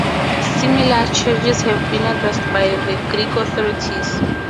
Similar charges have been addressed by the Greek authorities.